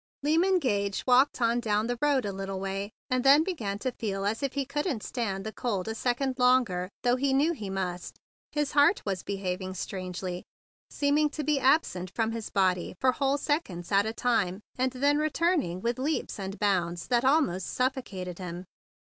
Lyman Gage walked on down the road a little way, and then began to feel as if he couldn't stand the cold a second longer, though he knew he must. His heart was behaving queerly, seeming to be absent from his body for whole sec¬ onds at a time, and then returning with leaps and bounds that almost suffocated him.